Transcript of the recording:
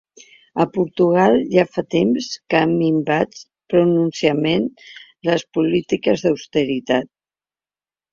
A Portugal ja fa temps que han minvat pronunciadament les polítiques d’austeritat.